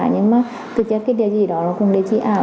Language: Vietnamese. nhưng mà thực chất cái địa chỉ đó là cùng địa chỉ ảo